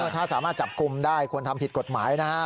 ถ้าสามารถจับกลุ่มได้ควรทำผิดกฎหมายนะฮะ